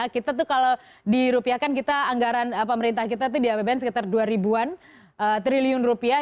kita tuh kalau dirupiahkan anggaran pemerintah kita di apbn sekitar dua ribuan triliun rupiah